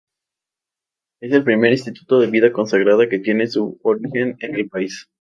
Es el primer instituto de vida consagrada que tiene su origen en el país.